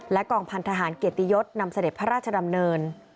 กองพันธหารเกียรติยศนำเสด็จพระราชดำเนิน